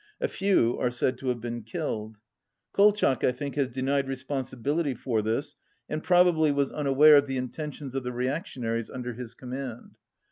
A few are said to have been killed. Kolchak, I think, has denied respon sibility for this, and probably was unaware of 208 the intentions of the reactionaries under his command.